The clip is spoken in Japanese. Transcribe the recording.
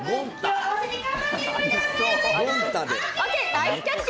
ナイスキャッチ！